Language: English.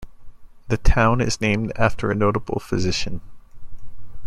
The town is named after a notable physician.